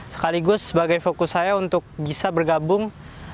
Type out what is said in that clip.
sekaligus sebagai fokus saya untuk bisa bergabung